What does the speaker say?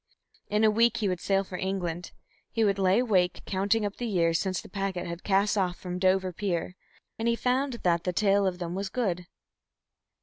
In a week he would sail for England; he lay awake, counting up the years since the packet had cast off from Dover pier, and he found that the tale of them was good.